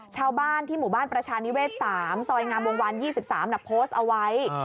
ชาวบ้านที่หมู่บ้านประชานิเวศ๓ซอยงามวงวาน๒๓โพสต์เอาไว้